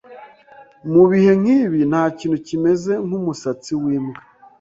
Mubihe nkibi, ntakintu kimeze nkumusatsi wimbwa.